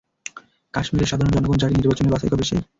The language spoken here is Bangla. কাশ্মীরের সাধারণ জনগণ যাকে নির্বাচনে বাছাই করবে সেই।